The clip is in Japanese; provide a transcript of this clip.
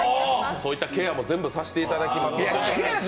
そういったケアも全部させていただきます。